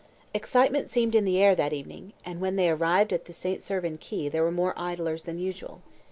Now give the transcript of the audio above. Excitement seemed in the air that evening, and when they arrived at the St. Servan quay there were more idlers than usual.